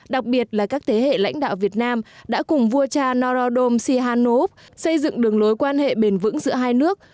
đặc biệt là các thế hệ lãnh đạo việt nam đã cùng vua cha norodom sihanov xây dựng đường lối quan hệ bền vững giữa hai nước